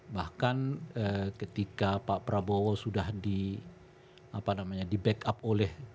bahkan ketika pak prabowo sudah di backup oleh